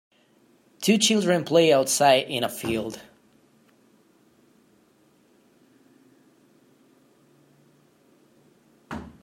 Two children play outside in a field.